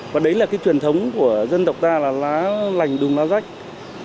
và đấy là cái truyền thống của dân tộc ta là lá lành đùm lá rách